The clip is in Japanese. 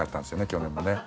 去年もね。